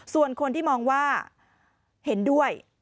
ส่วนคนที่มองว่าเห็นด้วย